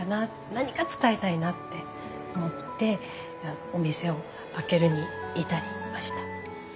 何か伝えたいなって思ってお店を開けるに至りました。